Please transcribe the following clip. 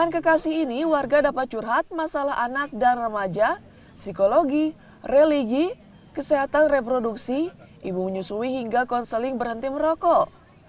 kekasih ini warga dapat curhat masalah anak dan remaja psikologi religi kesehatan reproduksi ibu menyusui hingga konseling berhenti merokok